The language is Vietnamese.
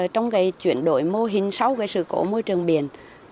trong chuyển đổi mô hình sau sự cố môi trường biển